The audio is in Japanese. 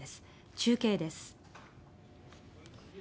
中継です。